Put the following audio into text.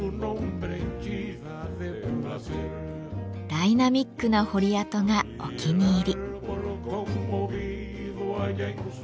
ダイナミックな彫り跡がお気に入り。